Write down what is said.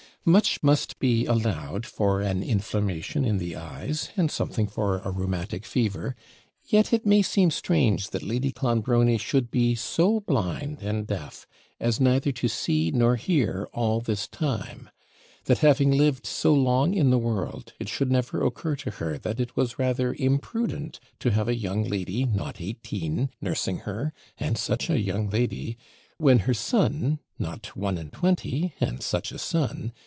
Much must be allowed for an inflammation in the eyes, and something for a rheumatic fever; yet it may seem strange that Lady Clonbrony should be so blind and deaf as neither to see nor hear all this time; that, having lived so long in the world, it should never occur to her that it was rather imprudent to have a young lady, not eighteen, nursing her and such a young lady! when her son, not one and twenty and such a son!